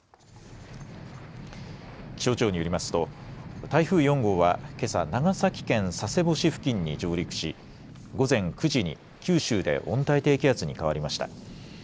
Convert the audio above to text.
気象庁によりますと台風４号はけさ長崎県佐世保市付近に上陸し午前９時に九州で温帯低気圧に変わりました。